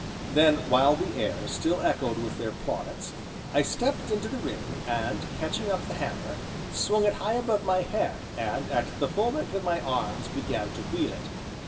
Then, while the air still echoed with their plaudits, I stepped into the ring, and, catching up the hammer, swung it high above my head, and, at the full length of my arms, began to wheel it.